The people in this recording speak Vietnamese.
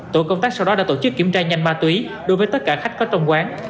tổ công tác sau đó đã tổ chức kiểm tra nhanh ma túy đối với tất cả khách có trong quán